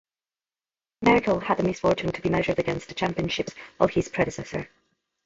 Merkle had the misfortune to be measured against the championships of his predecessor.